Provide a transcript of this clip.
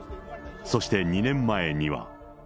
そして２年前には。